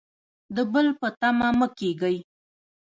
د بل په تمه مه کیږئ